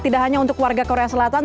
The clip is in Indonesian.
tidak hanya untuk warga korea selatan